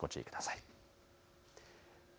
ご注意ください。